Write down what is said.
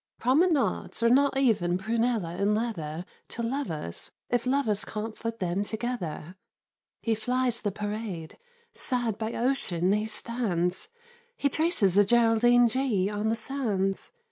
Promenades are not even prunella and leather To lovers, if lovers can't foot them together. He flies the parade, sad by ocean he stands, He traces a "Geraldine G" on the sands.